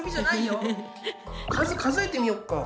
数数えてみよっか。